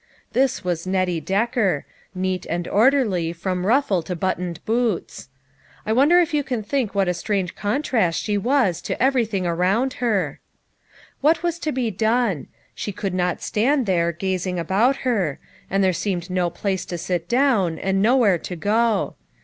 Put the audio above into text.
This was Nettie Decker ; neat and or derly, from ruffle to buttoned boots. I wonder if you can think what a strange contrast she was to everything around her ? What was to be done? she could not stand there, gazing about her; and there seemed no place to sit down, and nowhere to go.